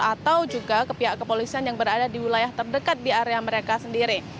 atau juga ke pihak kepolisian yang berada di wilayah terdekat di area mereka sendiri